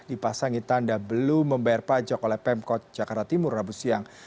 dipasangi tanda belum membayar pajak oleh pemkot jakarta timur rabu siang